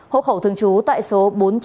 hộ khẩu thường trú tại số bốn trăm linh